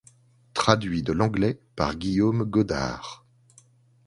Traduit de l'anglais par Guillaume Godard.